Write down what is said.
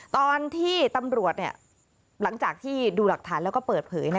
ตอนที่ตำรวจหลังจากที่ดูหลักฐานแล้วก็เปิดเผย